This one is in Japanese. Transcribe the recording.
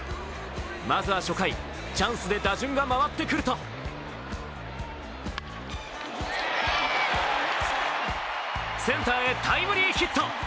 まずは初回、チャンスで打順が回ってくるとセンターへタイムリーヒット。